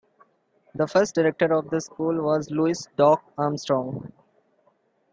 The first director of the school was Louis "Doc" Armstrong.